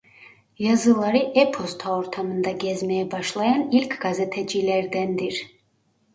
Yazıları e-posta ortamında gezmeye başlayan ilk gazetecilerdendir.